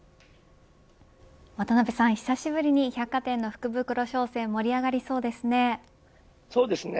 渡辺さん、久しぶりに百貨店の福袋商戦盛り上がりそうですね。